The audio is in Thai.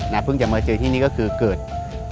และพึ่งจะมาเจอยี่นี่คือเกิดสิ่ง